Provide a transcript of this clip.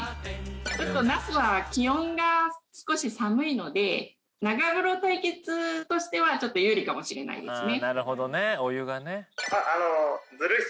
ちょっと那須は気温が少し寒いので長風呂対決としてはちょっと有利かもしれないですね。